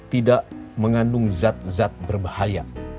tidak mengandung zat zat berbahaya